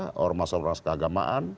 dengan ormas orang sekeagamaan